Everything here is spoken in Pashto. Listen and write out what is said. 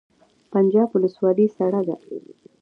پنجاب ولسوالۍ سړه ده؟